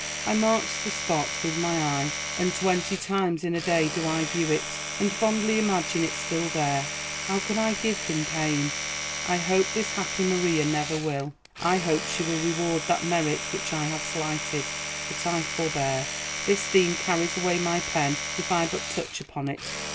I marked the spot with my eye, and twenty times in a day do I view it, and fondly imagine it still there. How could I give him pain! I hope his happy Maria never will. I hope she will reward that merit which I have slighted. But I forbear. This theme carries away my pen if I but touch upon it.